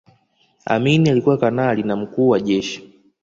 amini alikuwa kanali na mkuu wa jeshi